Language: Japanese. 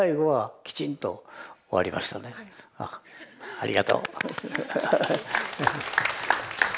ありがとう。